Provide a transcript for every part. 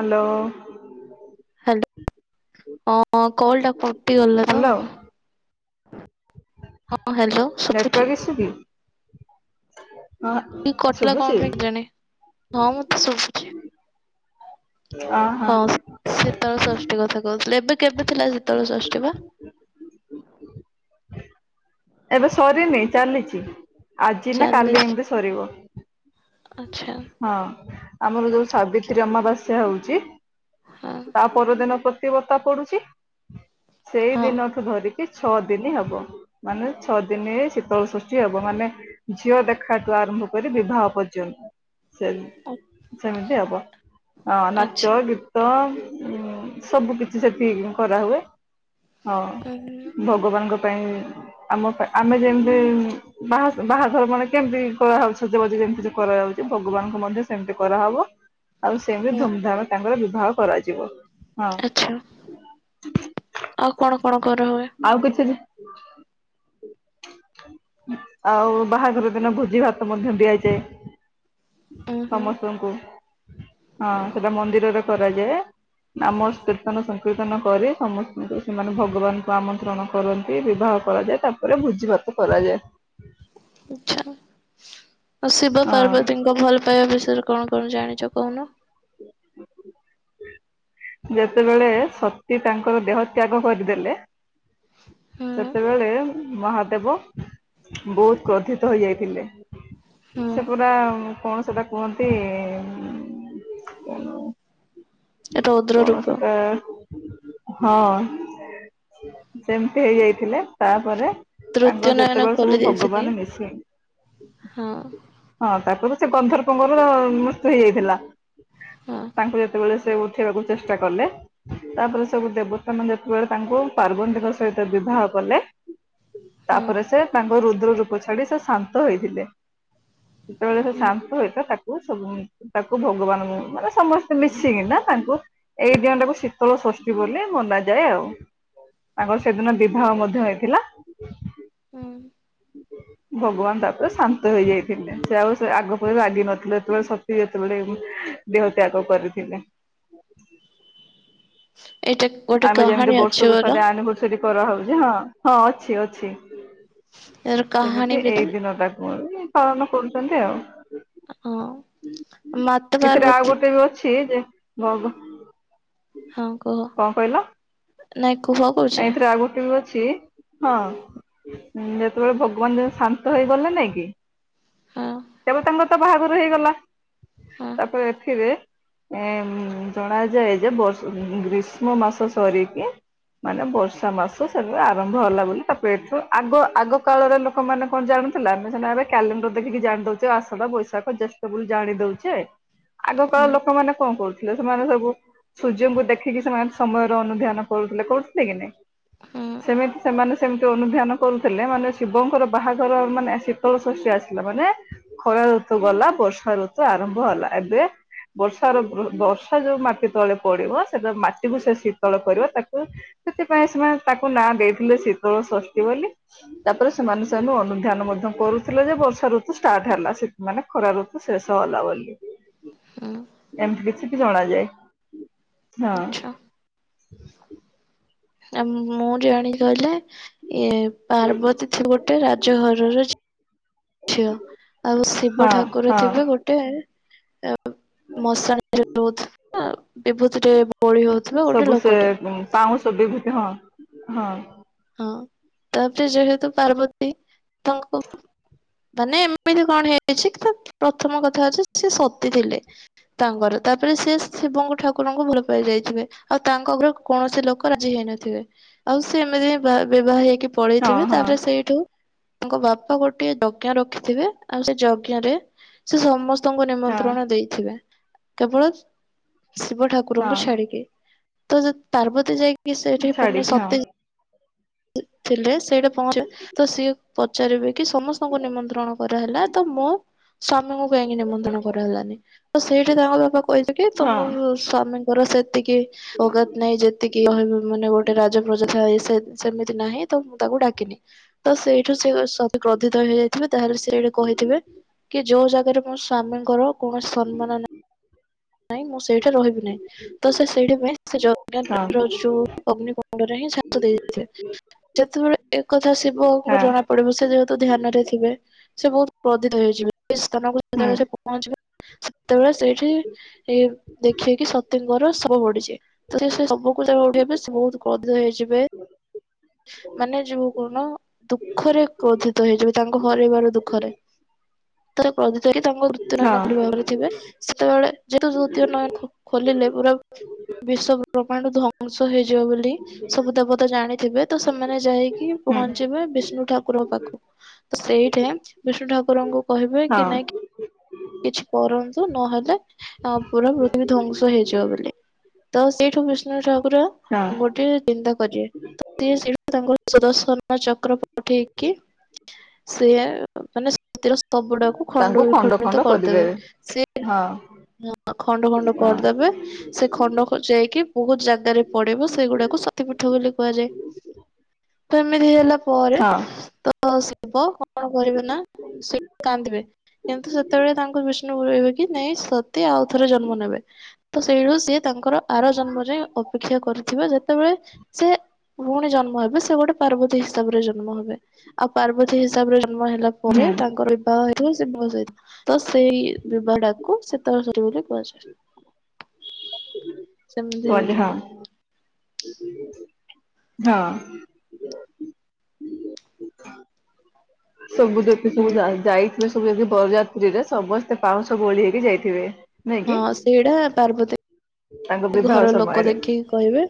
Hello. Hello ହଁ call ଟା କଟି ଗଲା ତ। ହ୍ୟାଲୋ ହଁ ହ୍ୟାଲୋ ଶୁଭୁଛି ନେଟୱାର୍କ ଆସୁନି? ଇ କଟ୍ ଲା କଣ ଶୁଭୁଛି ପାଇଁ କେଜାଣି? ହଁ ମୋତେ ଶୁଭୁଛି। ଅହ ହଁ ଶୀତଳ ଷଷ୍ଠୀ କଥା କହୁଥିଲେ ଏବେ କେବେ ଥିଲା ଶୀତଳ ଷଷ୍ଠୀ ବା? ଏବେ ସରିନି ଚାଲିଚି। ଆଜି ନା କାଲି ଚାଲିଛି ଏମତି ସରିବ, ଆଚ୍ଛା ହଁ ଆମର ଯୋଉ ସାବି ତ୍ରୀ ଅମାବାସ୍ୟା ହଉଛି ହଁ ତା ପରଦିନ ପ୍ରତି ବର୍ତ୍ତା ପଡ଼ୁଚି। ସେଇ ହଁ। ଦିନକୁୁ ଧରିକି ଛଅ ଦିନି ହବ। ମାନେ ଛଅ ଦିନିରେ ଶୀତଳ ଷଷ୍ଠୀ ହବ ମାନେ ଝିଅ ଦେଖାଠୁ ଆରମ୍ଭ କରି ବିବାହ ପର୍ଯ୍ୟନ୍ତ। ସେମ ସେମିତି ହବ, ହଁ ଆଚ୍ଛା ନାଚ ଗୀତ୍ ତ ଉମ୍ ସବୁ କିଛି ସେଠି କରାହୁଏ। ହଁ ଉଁ ଭଗବାନଙ୍କ ପାଇଁ ଆମ ପା ଆମେ ଯେମତି ବାହା ବାହାଘର ମାନେ କେମତି କରାହଉଛି ସଜବାଜ ଯେମିତି କରାଉଛି ଭଗବାନଙ୍କୁ ମଧ୍ୟ ସେମତି କରାହବ। ଆଉ ସେମିତି ହୁଁ ଧୁମ୍‌ ଧାମରେ ତାଙ୍କର ବିବାହ କରାଯିବ। ହଁ। ଆଚ୍ଛା, ଆଉ କଣ କଣ କରାହୁଏ? ଆଉ କିଛି ବି ଆଉ ବାହାଘର ଦିନ ଭୋଜି ଭାତ ମଧ୍ୟ ଦିଆଯାଏ। ଉଁ ହୁଁ ସମସ୍ତଙ୍କୁ ହଁ ସେଯାକ ମନ୍ଦିରରେ କରାଯାଏ। ନାମ କୀର୍ତ୍ତନ ସଂକୀର୍ତ୍ତନ କରି ସମସ୍ତଙ୍କୁ ସେମାନେ ଭଗବାନଙ୍କୁ ଆମନ୍ତ୍ରଣ କରନ୍ତି ବିବାହ କରାଯାଏ ତାପରେ ଭୋଜି ଭାତ କରାଯାଏ। ଆଚ୍ଛା ଆଉ ଶିବ ହଁ ପାର୍ବତୀଙ୍କ ଭଲ ପାଇବା ବିଷୟରେ କଣ କଣ ଜାଣିଛ କହୁନ? [inaudible] ଯେତେବେଳେ ସତୀ ତାଙ୍କର ଦେହ ତ୍ୟାଗ କରିଦେଲେ ହୁଁ ସେତେବେଳେ ମହାଦେବ ବୋହୁତ୍ କ୍ରୋଧିତ ହୋଇଯାଇଥିଲେ। ହୁଁ ସେ ପୁରା ଉମ୍ କଣ ସେଟା କୁହନ୍ତି ଇ ଇ ଉଁ ରୌଦ୍ର କଣ ରୂପ ସେଟା? ହଁ -ସେମତି ହେଇ ଯାଇଥିଲା ତାପରେ ତୃତୀୟ ତାଙ୍କର ନୟନ ଯେତେବେଳେ ଖୋଲି ସବୁ ଦେଇଥିଲି ଭଗବାନ ମିଶି ହଁ। ହଁ ତାପରେ ସେ ଗନ୍ଧର୍ପ ଙ୍କର ମୃତ୍ୟୁ ହେଇଯାଇଥିଲା। ହଁ। ତାଙ୍କୁ ଯେତେବେଳେ ସେ ଉଠେଇବାକୁ ଚେଷ୍ଟା କଲେ ତାପରେ ସବୁ ଦେବତାମାନେ ଯେତେବେଳେ ତାଙ୍କୁ ପାର୍ବନ୍ତୀଙ୍କ ସହିତ ବିବାହ କଲେ ହୁଁ। ତାପରେ ସେ ତାଙ୍କ ରୁଦ୍ର ରୂପ ଛାଡି ସେ ଶାନ୍ତ ହୋଇଥିଲେ। ସେତେବେଳେ ସେ ହୁଁ [unintelligible] ତାକ୍ ସବୁ ସବୁ ତାକୁ ଭଗବାନ ମାନେ ସମସ୍ତେ ମିଶିକିନା ତାଙ୍କୁ ଏଇ ଦିନ ଟାକୁ ଶୀତଳ ଷଷ୍ଠୀ ବୋଲି ମନାଯାଏ ଆଉ। ତାଙ୍କର ସେଦିନ ବିବାହ ମଧ୍ୟ ହୋଇଥିଲା। ହୁଁ [inaudible] ଭଗବାନ ତାପରେ ଶାନ୍ତ ହେଇଯାଇଥିଲେ, ସେ ଆଉ ସେ ଆଗ ପରି ରାଗି ନଥିଲେ ଯେତେବେଳେ ସତୀ ଯେତେବେଳେ ଉମ୍ ଦେହତ୍ୟାଗ କରିଥିଲେ। ଏଇଟା ଗୋଟେ ଆମେ ଯେମିତି କାହାଣୀ ଅଛି ବର୍ଷକୁ ବୋଲ ଥରେ ଆନିଭର୍ସରୀ କରାହଉଛି ହଁ ହଁ ଅଛି ଅଛି। ଏର କାହାଣୀ ସେମିତି ଏଇ ଭିତରେ ଦିନ ଟା କୁ [unintelligible] ପାଳନ କରୁଚନ୍ତି ଆଉ। ହଁ ମାତା ଏଥିରେ ଆଉ ପାର୍ବତୀ ଗୋଟେ ବି ଅଛି ଯେ [unintelligible] ହଁ କୁହ ନାଇଁ କୁହ କ ନାଁ ଏଇଥିରେ ଆଉ ଗୋଟେ ବି ଛ ଅଛି, ହଁ ଯେତେବେଳେ ଭଗବାନ ଶାନ୍ତ ହେଇଗଲେ ନାଇଁ କି ହଁ ଏବେ ତାଙ୍କର ତ ବାହାଘର ହେଇଗଲା। ହଁ ତାପରେ ଏଥିରେ ଉଁ - ହୁଁ ଜଣା ଯାଏ ଯେ ବର୍ଷ ଗ୍ରୀଷ୍ମ ମାସ ସରିକି ମାନେ ବର୍ଷା ମାସ ସେବେ ଆରମ୍ଭ ହେଲା ବୋଲି ତାପେଟରୁ ଆଗ ଆଗ କାଳର ଲୋ ଲୋକମାନେ କଣ ଜାଣୁଥିଲା ଆମେ ସେ ଏବେ କ୍ୟାଲେଣ୍ଡର ଦେଖିକି ଜାଣି ଦେଉଛେ ଆଷା ବୈଶାଖ କି ଜେଷ୍ଠ ବୋଲି ଜାଣି ଦଉଛେ [inaudible] ଆଗ କାଳ ଲୋକମାନେ କଣ କରୁଥିଲେ ସେମାନେ ସବୁ ସୂର୍ଯ୍ୟଙ୍କୁ ଦେଖିକି ସେମାନେ ସମୟର ଅନୁଧ୍ୟାନ କରୁ ଲେ କରୁଥିଲେ କି ନାଇ ହଁ ସେମିତି ସେମାନେ ସେମିତି ଅନୁଧ୍ୟାନ କରୁଥିଲେ ମାନେ ଶିବଙ୍କର ବାହାଘର ମାନେ ଶୀତଳ ଷଷ୍ଠୀ ଆସିଲା ମାନେ ଖରା ଋତୁ ଗଲା ବର୍ଷା ଋତୁ ଆରମ୍ଭ ହେଲା ଏବେ ବର୍ଷାର ବର୍ଷା ଯୋଉ ମାଟି ତଳେ ପଡିବ ସେଟା ମାଟିକୁ ସେ ଶୀତଳ କରିବ ତାକୁ ସେଥିପାଇଁ ସେମାନେ ତାକୁ ନାଁ ଦେଇଥିଲେ ଶୀତଳ ଷଷ୍ଠୀ ବୋଲି ତାପରେ ସେମାନେ ସେନୁ ଅନୁଧ୍ୟାନ ମଧ୍ୟ କରୁଥିଲେ ଯେ ବର୍ଷା ଋତୁ ଷ୍ଟାର୍ଟ ହେଲା ସେ ମାନେ ଖରା ଋତୁ ଶେଷ ହେଲା ବୋଲି [inaudible] ଏମିତି କିଛିକି ଜଣା ଯାଏ ହଁ ଆଛା ଆଉ ମୁଁ ଜାଣି ଗଲେ ଇଏ ପାର୍ବତୀ ଗୋଟେ ରାଜଘରର ଝି ଝିଅ ଆଉ ଶିବ ହଁ ଠାକୁର ହଁ ଥିବେ ଗୋଟେ ଟେ ମଶାଣି ରେ ରହୁଥିବା ବିଭୁତି ରେ ସବୁ ସେ ପାଉଁସ ବିଭୂତି ହଁ ହଁ ହଁ ତାପରେ ଯେହେତୁ ପାର୍ବତୀ ତାଙ୍କୁ ମାନେ ଏମିତି କଣ ହେଇଛି କି ପ୍ରଥମ କଥା ହଉଛି ସିଏ ସତୀ ଥିଲେ ତାଙ୍କର ତାପରେ ସିଏ ଶିବଙ୍କୁ ଠାକୁରଙ୍କୁ ଭଲ ପାଇ ଯାଇଥିବେ ଆଉ ତାଙ୍କ ଉପରେ କୌଣସି ଲୋକ ରାଜି ହେଇନଥିବେ ଆଉ ସେ ଏମିତି ବି ବିବାହ ହେଇକି ହଁ ପଳେଇଥିବେ ହଁ ତାପରେ ସେଇଠୁ ତାଙ୍କ ବାପା ଗୋଟଏ ଯଜ୍ଞ ରଖିଥିବେ ଆଉ ସେ ଯଜ୍ଞ ରେ ସେ ସମସ୍ତ ସମସ୍ତଙ୍କୁ ହଁ ନିମନ୍ତ୍ରଣ ଦେଇଥିବେ କେବଳ ଶିବ ଠାକୁରଙ୍କୁ ହଁ ଛାଡିକି ତ ଜ ପାର୍ବତୀ ଯାଇକି ସେଠି ମାନେ ଛାଡିକି ହଁ ସତ୍ୟ ଜି ଥିଲେ ସେଇଟା ପହଞ୍ଚିବ ତ ସିଏ ପଚାରିବେ କି ସମସ୍ତଙ୍କୁ ନିମନ୍ତ୍ରଣ କରହଲା ତ ମ ସ୍ଵାମୀଙ୍କୁ କାହିଁକି ନିମନ୍ତ୍ରଣ କରାହେଲାନି ତ ସେଇଠି ତାଙ୍କ ବାପା କହିଥିଲେ କି ତମ ହଁ ସ୍ଵାମୀଙ୍କର ସେତିକି ଅକାତ ନାହିଁ ଯେତିକି ମାନେ ଗୋଟେ ରାଜପ୍ରଜା ଥାଏ ସେ ସେମିତି ନାହିଁ ତ ମୁଁ ତାକୁ ଡାକିନି ତ ସେଇ ଠୁ ସେ ସବୁ କ୍ରଧିତ ହେଇଯାଇଥିବେ ତାହେଲେ ସେଠି କହିିଥିବେ କି ଯୋଉ ଜାଗାରେ ମୋ ସ୍ଵାମୀଙ୍କର କୌଣସି ସମ୍ମାନ ନାହିଁ ନାଇଁ ମୁଁ ସେଇଠି ରହିବି ନାହିଁ ତ ସେ ସେଇଥି ପାଇଁ ସେ ଯଜ୍ଞ ହଁ କୁଣ୍ଡ ଯୁ ଅଗ୍ନି କୁଣ୍ଡ ରେ ଛାଞ୍ଚ ଦେଇ ଦେଇ ଦେଇଥିଲେ ଯେତେବେଳେ ଏକ କଥା ଶିବ ଙ୍କୁ ହଁ ଜଣା ପଡିବ ସେ ଯେହେତୁ ଧ୍ୟାନରେ ଥିବେ ସେ ବହୁତ କ୍ରୋଧିତ ହେଇଯିବେ ସେ ସ୍ଥାନକୁ ହୁଁ ଯେତେବେଳେ ସେ ପହଞ୍ଚିବେ ସେତେବେଳେ ସେଇଠି ଏ ଦେଖିବେ କି ସତୀଙ୍କର ଶବ ପଡ଼ିଛି ତରିଅ ସେ ସବୁ କୁ ତାର ଓଡ଼ିଆ ଏବେ ସେ ବହୁତୁ [unintelligible] ହେଇଯିବେ। ମାନେ ଯୋଉ କଣ ଦୁଃଖରେ କ୍ରୋଧିତ ହେଇଯିବେ ତାଙ୍କ ହରେଇବାର ଦୁଃଖରେ। [unintelligible] କ୍ରୋଧିତ ହେଇକି ତାଙ୍କ ତୃତୀୟ ହଁ ନୟନ ଖୋଲିବା ଉପରେ ଥିବେ ସେତେବେଳେ ଯେହେତୁ ତୃତୀୟ ନୟନ ଖୋଲିଲେ ପୁରା ବିଶ୍ଵ ବ୍ରହ୍ମାଣ୍ଡ ଧ୍ବଂସ ହେଇଯିବ ବୋଲି ସବୁ ଦେବତା ଜାଣିଥିବେ ତ ସେମାନେ ଯାଇକି ହୁଁ ପହଞ୍ଚିବେ ବିଷ୍ଣୁ ଠାକୁରଙ୍କ ପାଖକୁ ସେଇଠେ ବିଷ୍ଣୁ ଠାକୁରଙ୍କୁ କହିବେ ହଁ କି ନାଇଁକି କିଛି କରନ୍ତୁ ନହେଲେ ତ ପୁରା ପୃଥିବୀ ଧ୍ୱଂସ ହେଇଯିବ ବୋଲି ତ ସେଇଠୁ ବିଷ୍ଣୁ ଠାକୁର ହଁ ଗୋ ଟିଏ ଚିନ୍ତା କରିିବେ ତ ସିଏ [unintelligible] ତାଙ୍କ ସଦର୍ଶନ ଚକ୍ର ପଠେଇକି ସିଏ ମାନେ ଶାନ୍ତିର ସ୍ତବ ଟାକୁ ଖଣ୍ଡ ବିଖଣ୍ଡିତ କରିଦେବେ ସିଏ ହଁ ଖଣ୍ଡ ଖଣ୍ଡ ହଁ କରିଦେବେ ସେ ଖଣ୍ଡକ ଯାଇକି ବହୁତ ଜାଗାରେ ପଡିବ ସେଗୁଡାକୁ ଶତୀପୀଠ ବୋଲି କୁହାଯାଏ। ସେମିତି ହେଲା ପରେ ହଁ ତ ଶିବ କଣ କରିବେ ନା ସେ କାନ୍ଦିବେ କିନ୍ତୁ ସେତେବେଳେ ତାଙ୍କ ବିଷ୍ଣୁ [inaudible] କି ନାଇଁ ସ ତୀ ଆଉ ଥରେ ଜନ୍ମ ନେବେ ତ ସେଇଠୁ ସିଏ ତାଙ୍କର ଆର ଜନ୍ମ ଯାଏ ଅପେକ୍ଷା କରିଥିବେ ଯେତେବେଳେ ସେ ପୁଣି ଜନ୍ମ ହେବେ ସେ ଗୋଟେ ପାର୍ବତୀ ହିସାବରେ ଜନ୍ମ ହେବେ ଆଉ ପାର୍ବତୀ ହିସାବରେ ଜନ୍ମ ହେଲା ପରେ ହୁଁ ତାଙ୍କର ବିବାହ ହେଇଥିବ ସେ ମର ଯାଇଥିବେ ତ ସେଇ ବିବାହ ଟାକୁ ସେ [inaudible] ବୋଲି କୁହାଯାଏ ସେମିତି କୁହନ୍ତି ହଁ ହେଇଯାଏ। ହଁ। ସବୁ ଦେଖି ସବୁ ଯାଇ ଯାଇ ଏବେ ସବୁ ଏବେ ବରଯାତ୍ରୀରେ ସମସ୍ତେ ପାଉଁଶ ବୋଳି ହେଇକି ଯାଇଥିବେ ନାଇଁ କି? ହଁ ସେଇଟା ତାଙ୍କ ପାର୍ବତୀ ବିବାହ ଘର ଲୋକ ସମୟରେ ଦେଖି କହିବେ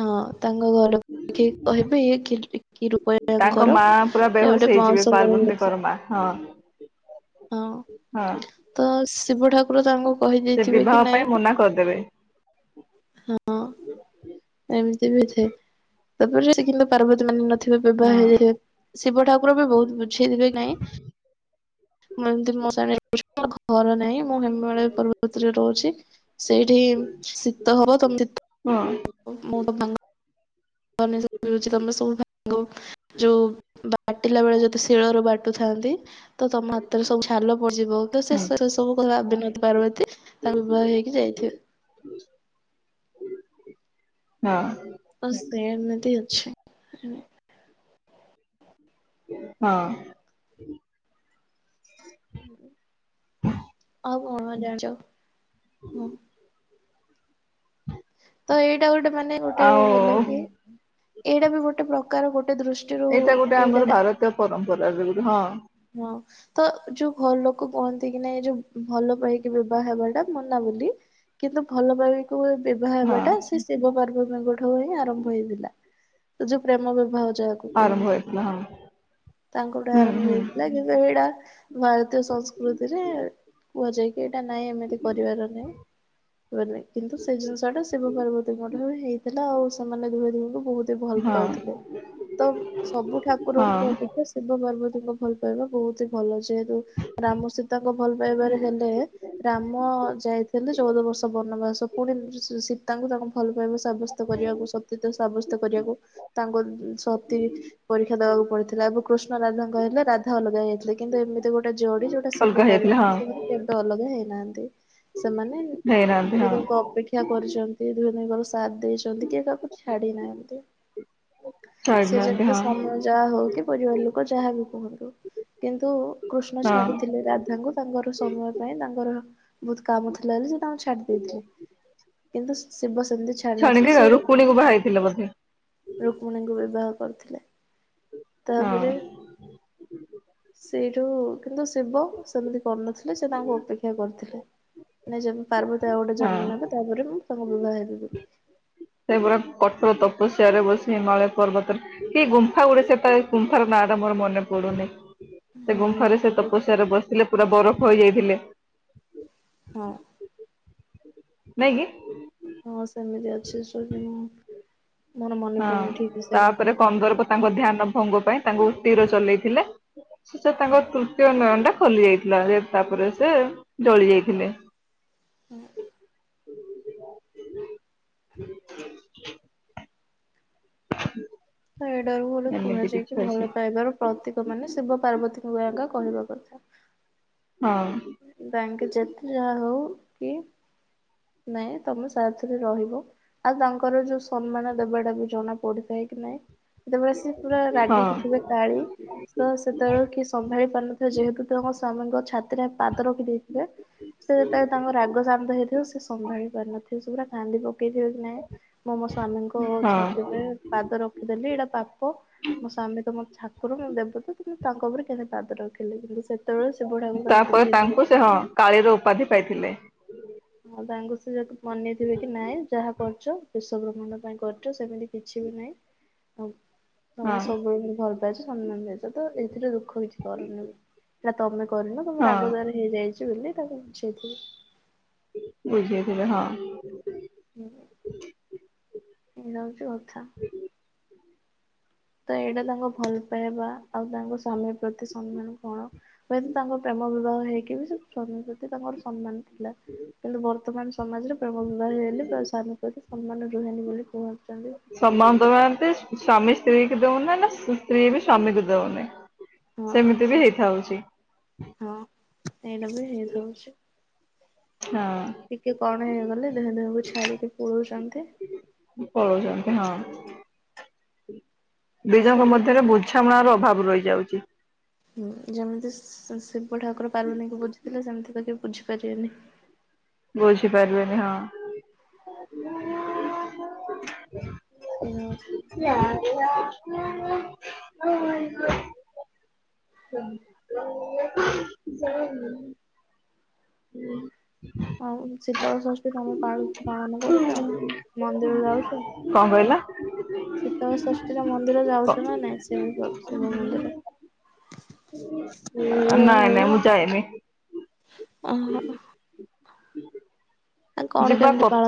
ହଁ ତାଙ୍କ ଘର ଦେଖି କହିବେ ଇଏ କି କି ରୂପ ତାଙ୍କ ୟାଙ୍କର ମା ପୁରା ଇଏ ବେହୋସ ଗୋଟେ ହେଇଯିବେ ପାଉଁଶ ବୋଳି ପାର୍ବତୀଙ୍କର ହେଇଛି ମା। ହଁ ହଁ। ହଁ। ତ ଶିବ ଠାକୁର ତାଙ୍କୁ ସେ କହିଦେଇଥିବେ କି ବିବାହ ନାଇଁ ପାଇଁ ମନା କରିଦେବେ ହଁ ଏମିତି ବି ଥେ ତାପରେ ସେ କିନ୍ତୁ ପାର୍ବତୀ ମାନି ନଥିବେ ବିବାହ ହଁ। ହେଇଯାଇଥିବେ। ଶିବ ଠାକୁର ବି ବହୁତ ବୁଝେଇଥିବେ ନାଇଁ ମୁଁ ଏମିତି ମସାଣି ରେ ରହୁଛି। ମୋର ଘର ନାହିଁ ମୁଁ ହିମାଳୟ ପର୍ବତରେ ରହୁଛି। ସେଇଠି ଶୀତ ହବ ତମେ [inaudible] ହଁ। ମୋ ବାବା ଙ୍କ [unintelligible] ଯୋଉ ବାଟିଲା ବେଳେ ଯଦି ଶିଳରୁ ବାଟୁଥାନ୍ତି ତ ତମ ହାତରେ ସବୁ ଛାଲ ପଡିଯିବ ତ ସେ ହୁଁ ସେସବୁ କ ଭାବିନ [inaudible] ପାର୍ବତୀ ତାଙ୍କୁ ବିବାହ ହେଇକି ଯାଇଥିବେ। ହଁ। ବାସ୍ ସେମିତି ଅଛି ହେଲା। ହଁ। ଆଉ କଣ କଣ ଜାଣିଚ ହଁ। ତ ଏଇଟା ଗୋଟେ ମାନେ ଗୋଟେ ଆଉ ହେଲା କି ଏଇଟା ବି ଗୋଟେ ପ୍ରକାର ଗୋଟେ ଦୃଷ୍ ଏଇଟା ଗୋଟେ ଆମର ଭାରତୀୟ ପରମ୍ପରାରେ ଗୋଟେ ହଁ। ହଁ। ତ ଯୋଉ ଘର ଲୋକ କୁହନ୍ତିକି ନାଇ ଏ ଯୋଉ ଭଲ ପାଇକି ବିବାହ ହେବାଟା ମନା ବୋଲି କିନ୍ତୁ ଭଲ ପାଇବି ବିବାହ ହଁ ହେବାଟା ସେ ଶିବ ପାର୍ବଣୀଙ୍କଠୁ ହିଁ ଆରମ୍ଭ ହେଇଥିଲା ସେ ଯୋଉ ପ୍ରେମ ବ୍ୟବହ ଯାହାକୁ ଆରମ୍ଭ କୁହନ୍ତି ହେଇଥିଲା ହଁ ତାଙ୍କଠୁ ହୁଁ ଆରମ୍ଭ ହୁଁ ହେଇଥିଲା କିନ୍ତୁ ଏଇଟା ଭାର ତୀୟ ସଂସ୍କୃତିରେ କୁହାଯାଇଏକି ଏଇଟା ନାଇଁ ଏମିତି କରିବାର ନାଇଁ। କିନ୍ତୁ ସେଇ ଜିନିଷଟା ଶିବ ପାର୍ବତୀଙ୍କଠବି ହେଇଥିଲା ଆଉ ସେମାନେ ଧୁହ ଧୁଇଁଙ୍କୁ ବହୁତ୍ ଭଲ ହଁ ପାଉଥିଲେ ତ ସବୁ ହଁ ଠାକୁରଙ୍କ ଗେ ଏ ଶିବ ପାର୍ବତୀଙ୍କ ଭଲ ପାଇବା ବହୁତ ଭଲ ଯେହେତୁ ରାମ ସୀତାଙ୍କ ଭଲ ପାଇବାରେ ହେଲେ ରାମ ଯାଇଥିଲେ ଚଉଦ ବର୍ଷ ବନବାସ ପୁଣି ସୀତାଙ୍କୁ ତାଙ୍କୁ ଭଲ ପାଇବା ଶା ତ କରିବାକୁ ସତତ ସାବ୍ୟସ୍ତ କରିବାକୁ ତାଙ୍କୁ ସତୀବି ପରୀକ୍ଷା ଦବାକୁ ପଡିଥିଲା ଏବଂ କୃଷ୍ଣ ରାଧା କହିଲେ ରାଧା ଅଲଗା ହୋଇଥିଲେ କିନ୍ତୁ ଏମିତି ଗୋଟେ ଜଡ଼ି ଯୋଉଟା ଅଲଗା ଶିବ ହେଇଯାଇଥିଲା ହଁ ପାର୍ବତୀଙ୍କର କେବେ ଅଲଗା ହେଇନାହାନ୍ତି ସେମାନେ ହେଇନାହାନ୍ତି ହଁ ଦୁହିଁଦୁହିଁଙ୍କୁ ଅପେକ୍ଷା ଶିକ୍ା [unintelligible] କରିଚନ୍ତି ଦୁଇେ ଦୁଙ୍କର ସାଥ ଦେଇଛନ୍ତି କିଏ କାହାକୁ ଛାଡ଼ି ନାହାନ୍ତି। ଛାଡିନାହାନ୍ତି ସେଯେତେ ହଁ ସମୟ ଯାହା ହଉକି ପରିବାର ଲୋକ ଯାହାବି କୁହନ୍ତୁ କିନ୍ତୁ କୃଷ୍ଣ ହଁ ଛାଡ଼ିଥିଲେ ରାଧ ତାଙ୍କୁ ତାଙ୍କର ସମୟ ପାଇଁ ତାଙ୍କର ବହୁତ୍ କାମ ଥିଲାଯେ ସେତାଙ୍କୁ ଛାଡ଼ି ଦେଇଥିଲେ। କିନ୍ତୁ ଶିବ ସେମିତି ଛାଡି ନଥିଲେ ଛଡ଼ିକି ସେ ଆଉ ରୁକ୍ମଣୀକୁ ବାହାଇଥିଲା ବୋଧେ। ରୁକ୍ମଣୀଙ୍କୁ ବିବାହ କରିୁଥିଲେ ହଁ ତାପରେ ସେଇଠୁ କିନ୍ତୁ ଶିବ ସେମିତି କରିନଥିଲେ ସେତାଙ୍କୁ ଅପେକ୍ଷା କରିଥିଲେ। ନାଇଁଁ ଯଦି ପାର୍ବତୀ ଆଉ ଗୋଟେ ହଁ ଜନ୍ମ ନେବେ ତାପରେ ମୁଁ ତମକୁ ବିବାହ ହେବିବୋଲି। ସେପୁରା କଠୋର ତପସ୍ୟାରେ ବସି ହିମାଳୟ ପର୍ବତରେ କି ଗୁମ୍ଫା ଗୁଟେ ସେତେଳେ ଗୁମ୍ଫାର ନାଟା ମୋର ମନେ ପଡ଼ୁନି ସେ ହଁ ଗୁମ୍ଫାରେ ମତେ ସେ ତପସ୍ୟାରେ ବସିଲେ ପୁରା ବରଫ ହୋଇଯାଇଥିଲେ। ହଁ। ନାଇଁକି। ହଁ ସେମିତି ଅଛି ଯ [unintelligible] ମୋର ମନେ ହଁ ପଡ଼ୁନି ଠିକସେ ତାପରେ ଗୁମ୍ଫା କନ୍ଦର୍ପ ତାଙ୍କ ଧ୍ୟାନ ଭଙ୍ଗ ପାଇଁ ତାଙ୍କୁ ତୀର ଚଲେଇଥିଲା ସେତାଙ୍କ ନୟନଟା ଖୋଲି ଯାଇଥିଲା ତାପରେ ସେଜଳି ଯାଇଥିଲେ। ହୁଁ। [inaudible] ଏଇଟାକୁ ବୋଲି ଏମିତି କୁହାଯାଇ କିଛି ଅଛି। କିଭଲ ପାଇବାର ପ୍ରତୀକ ମାନେ ଶିବ ପାର୍ବତୀଙ୍କ ଆଗା କହିବା କଥା। ହଁ। ତାଙ୍କେ ଯେତେ ଯାହା ହଉକି ନାଇଁ ତମେ ସାଥିରେ ରହିବ। ଆଉ ତାଙ୍କର ଯୋଉ ସମ୍ମାନ ଦେବଟାବି ଜଣା ପଡ଼ୁ ଥାଏକି ନାଇଁ। ଏତେ ଜୋରେସେ ପୁରା ହଁ ରାଗିକି ଥିବେ। କାଳି ତସେତେବେଳେ କିଏ ସମ୍ଭାଳି ପାରିନଥାଏ ଯେହେତୁ ତାଙ୍କ ସ୍ଵାମୀଙ୍କ ଛାତିରେ ପାଦ ରଖି ଦେଇଥିବେ ସେଯେତେବେଳେ ତାଙ୍କ ରାଗ ଶାନ୍ତ ହେଇଥିବ ସେସମ୍ଭାଳି ପାରିନଥି ସେ ସେପୁରା କାନ୍ଦି ପକେଇଥିବେକି ନାଇଁ ମୁଁ ମୋ ସ୍ଵାମୀଙ୍କ ହଁ ଛାତି ଉପରେ। ପାଦ ରଖିଦେଲି ଏଇଟା ପାପ। ସ୍ୱାମୀ ତ ମୋ ଠାକୁର ମୋ ଦେବତା କି ମୁଁ ତାଙ୍କ ଉପରେ କେମିତି ପାଦ ରଖିଲି କିନ୍ତୁ ସେ ସେତୋ ସେ ବଢିଆକୁ ତା ବୁଝ [unintelligible] ତାପରେ ତାଙ୍କୁ ସେ ହଁ କାଳିର ଉପାଧି ପାଇଥିଲେ। ହଁ ତାଙ୍କୁ ସେ ଯଦି ମନେଇଥିବେ କି ନାଇଁ ଯାହା କରୁଛ ବିଶ୍ଵ ବ୍ରହ୍ମାଣ୍ଡ ପାଇଁ କରୁଛ ସେମିତି କିଛି ବି ନାଇଁ। ହଉ ତମେ ହଁ ସବୁବେଳେ ଭାରି ଭଲ ପାଇଛ ସମ୍ମାନ ଦେଇଚ ତ ଏଥିରେ ଦୁଃଖ କିଛି କରନି। ନାଁ ତମେ କରିନ ତମର ହଁ ରାଗ ଦ୍ୱାରା ହେଇଯାଇଛି ବୋଲି ତାକୁ ବୁଝେଇଥିଲେ। ବୁଝେଇଥିଲେ ହଁ। ହୁଁ ଏଇଆ ହଉଛି କଥା। ତ ଏଇଟା ତାଙ୍କ ଭଲ ପାଇବା। ଆଉ ତାଙ୍କ ସ୍ୱାମୀ ପ୍ରତି ସମ୍ମାନ କଣ ହୁଏତ ତାଙ୍କ ପ୍ରେମ ବିବାହ ହେଇକି ବି ସେ ସ୍ୱାମୀ ପ୍ରତି ତାଙ୍କର ସମ୍ମାନ ଥିଲା କିନ୍ତୁ ବର୍ତ୍ତମାନ ସମାଜରେ ପ୍ରେମ ବିବାହ ହେଲେ ବା ସା [unintelligible] ନ ପ୍ରତି ସମ୍ମାନ ରୁହେନି ବୋଲି କୋହୁଛନ୍ତି। ସନମାନ [unintelligible] ଏତି ସ୍ଵାମୀ ସ୍ତ୍ରୀ କୁ ଦୋଉନି ନା ସ୍ତ୍ରୀ ବି ସ୍ଵାମୀକୁ ଦୋଉନି। ହଁ ସେମିତି ବି ସେଇଟା ହେଇଥାଉଛି। ହଁ ଏଇଟା ବି ହେଇଥାଉଛି। ହଁ। ଟିକେ କଣ ହେଇଗଲେ ଦେହ ଦେହକୁ ଛାଡିକି ପୋଡଛନ୍ତି। ପଳଉଛନ୍ତି ହଁ ଦି ଜଣଙ୍କ ସବୁ ମଧ୍ୟରେ ବୁଝ ବୁଝାମଣା ର ଅଭାବ ରହିଯାଉଛି। ହୁଁ ଯେମିତି ଶିବ ଠାକୁର ପାର୍ବତୀଙ୍କୁ ବୁଝିଥିଲେ ସେମିତି ଯଦି ବୁଝିପାରିବେନି। ବୁଝିପାରିବେନି ହଁ। ସେଇଆ ହଉ [unintelligible] ହ ଯଣ [inaudible] ହୁଁ [inaudible] ଆଉ ଶୀତଳ ଷଷ୍ଠୀ ତମେ ପାଳ ପାଳନ କରୁଛ ମନ୍ଦିର ଯାଉଛ? କଣ କହିଲ? ଶୀତଳ ଷଷ୍ଠୀରେ ମନ୍ଦିର କ ଯାଉଛୁ ନା ନାଇଁ ଶିବ ପା ଶିବ ମନ୍ଦିର? ନାଇଁ ନାଇଁ ମୁଁ ଯାଏନି। ଅହୋ। ହୁଁ [inaudible] ତ କଣ କେମିତି ପାଳନ